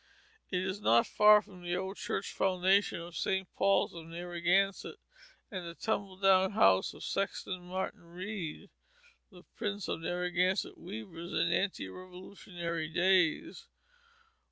It is not far from the old Church Foundation of St. Paul's of Narragansett, and the tumble down house of Sexton Martin Read, the prince of Narragansett weavers in ante Revolutionary days.